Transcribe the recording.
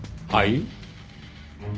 はい？